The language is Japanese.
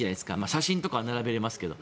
写真とかは並べられますけど。